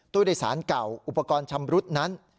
ตู้โดยสารเก่าอุปกรณ์ชำรุดนั้น